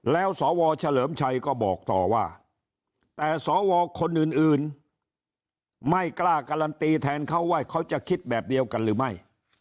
แล้วสวเฉลิมชัยก็บอกต่อว่าแต่สวคนอื่นไม่กล้าการันตีแทนเขาว่าเขาจะคิดแบบเดียวกันหรือไม่